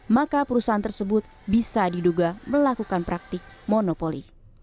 maka perusahaan tersebut bisa diduga melakukan praktik monopoli